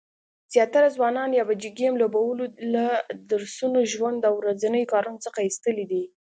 زیاتره ځوانان پابجي ګیم لوبولو له درسونو، ژوند او ورځنیو کارونو څخه ایستلي دي